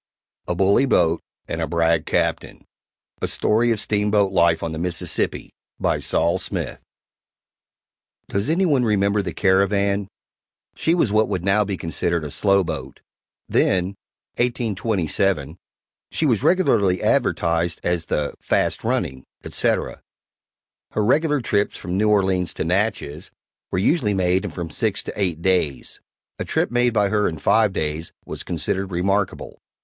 A BULLY BOAT AND A BRAG CAPTAIN A Story of Steamboat Life on the Mississippi BY SOL SMITH Does any one remember the Caravan? She was what would now be considered a slow boat then (1827) she was regularly advertised as the "fast running," etc. Her regular trips from New Orleans to Natchez were usually made in from six to eight days; a trip made by her in five days was considered remarkable.